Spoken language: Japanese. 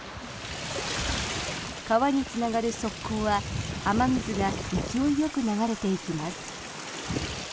川につながる側溝は雨水が勢いよく流れていきます。